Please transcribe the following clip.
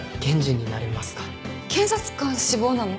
検察官志望なの？